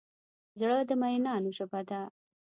زړه د مینانو ژبه ده.